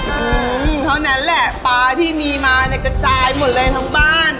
อืมเท่านั้นแหละปลาที่มีมาเนี่ยกระจายหมดเลยทั้งบ้าน